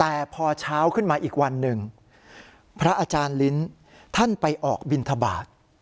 แต่พอเช้าขึ้นมาอีกวันหนึ่งพระอาจารย์ลิ้นท่านไปออกบินทบาท